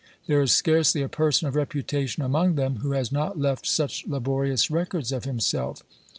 There is scarcely a person of reputation among them, who has not left such laborious records of himself.